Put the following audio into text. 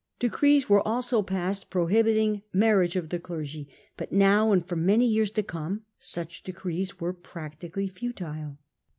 Decrees were also passed pro hibiting marriage of the clergy, but now and for many years to come such decrees were practically futile.